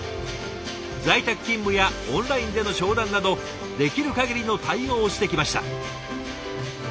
在宅勤務やオンラインでの商談などできる限りの対応をしてきました。